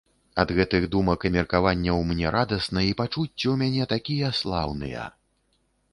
Ад гэтых думак і меркаванняў мне радасна і пачуцці ў мяне такія слаўныя.